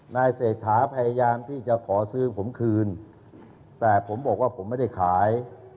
เศรษฐาพยายามที่จะขอซื้อผมคืนแต่ผมบอกว่าผมไม่ได้ขาย